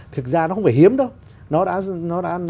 thực ra nó không phải hiếm đâu